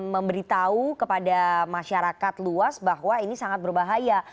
memberitahu kepada masyarakat luas bahwa ini sangat berbahaya